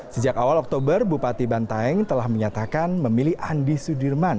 sejak awal oktober bupati bantaeng telah menyatakan memilih andi sudirman